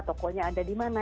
tokonya ada di mana